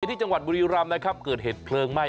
ที่จังหวัดบุรีรำนะครับเกิดเหตุเพลิงไหม้